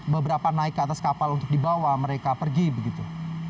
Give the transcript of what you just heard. beberapa naik ke atas kapal untuk dibawa mereka pergi begitu